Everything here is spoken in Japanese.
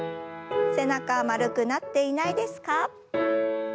背中丸くなっていないですか？